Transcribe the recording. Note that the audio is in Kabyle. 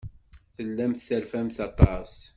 Tellamt terfamt aṭas.